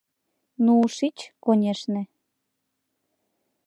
— Ну, шич, конешне.